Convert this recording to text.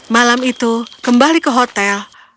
malam itu kembali ke hotel